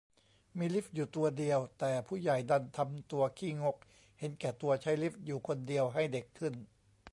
มีลิฟต์อยู่ตัวเดียว แต่ผู้ใหญ่ดันทำตัวขี้งกเห็นแก่ตัวใช้ลิฟต์อยู่คนเดียว ให้เด็กขึ้น